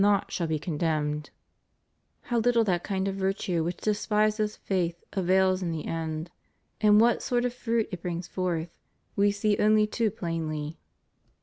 475 not shall he condemned} How little that kind of virtue which despises faith avails in the end, and what sort of fruit it brings forth, we see only too plainly.